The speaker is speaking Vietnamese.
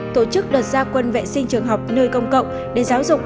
tổ chức đợt gia quân vệ sinh trường học nơi công cộng để giáo dục